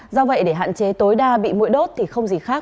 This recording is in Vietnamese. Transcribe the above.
do vậy để hạn chế tối đa bị mũi đốt thì không gì khác